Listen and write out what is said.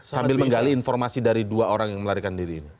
sambil menggali informasi dari dua orang yang melarikan diri ini